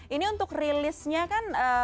ini untuk rilisnya kan